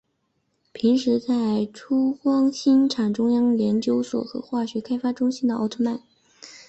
平时在出光兴产中央研究所和化学开发中心工作的奥特曼。